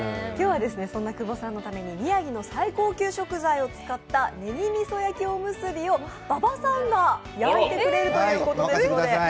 今日は、そんな久保さんのために宮城の最高級食材を使ったねぎみそ焼きおむすびを馬場さんが焼いてくれるということで。